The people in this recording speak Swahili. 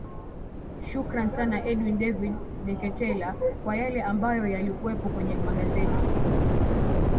shukran sana edwin david deketela kwa yale ambayo yalikuwepo kwenye magazeti